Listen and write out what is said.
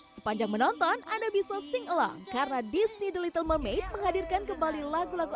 sepanjang menonton anda bisa sing along karena disney the little mermaid menghadirkan kembali lagu lagu